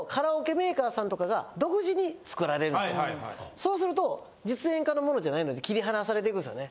そうすると実演家のものじゃないので切り離されていくんすよね。